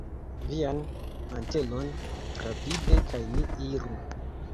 Vian mantelon, rapide, kaj ni iru!